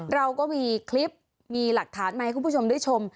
เราก็มีคลิปมีหลักฐานมาให้คุณผู้ชมได้ชม